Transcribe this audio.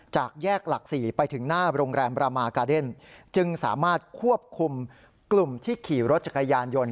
จากแยกหลัก๔ไปถึงหน้าโรงแรมบรามากาเดนจึงสามารถควบคุมกลุ่มที่ขี่รถจักรยานยนต์